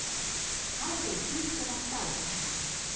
晴れて夫婦となったお２人。